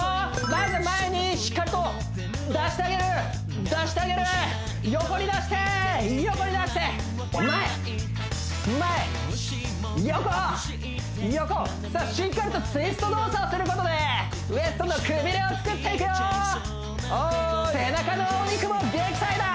まず前にしっかりと出してあげる出してあげる横に出して横に出して前前横横さあしっかりとツイスト動作をすることでウエストのくびれをつくっていくよ背中のお肉も撃退だ！